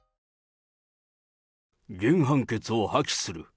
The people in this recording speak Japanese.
原判決を破棄する。